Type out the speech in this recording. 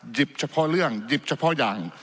เฉพาะเรื่องหยิบเฉพาะอย่าง